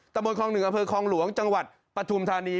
ตะโมนครองหนึ่งอำเภอครองหลวงจังหวัดปทุมธานี